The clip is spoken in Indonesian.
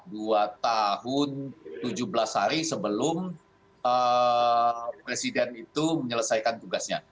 dua tahun tujuh belas hari sebelum presiden itu menyelesaikan tugasnya